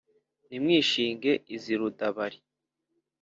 ntimwishinge iza rudabari